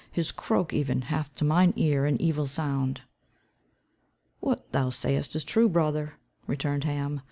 His croak, even, hath to mine ear an evil sound." "What thou sayest is true, brother," returned Ham.